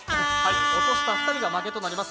落とした２人が負けとなります。